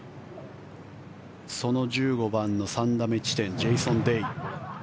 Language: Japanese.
その１５番の３打目地点ジェイソン・デイ。